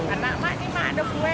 anak mak ini ada kue